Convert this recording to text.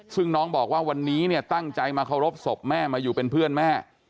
ซึ่งน้องบอกว่าวันนี้เนี่ยตั้งใจมาเคารพศพแม่มาอยู่เป็นเพื่อนแม่